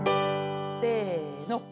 せの。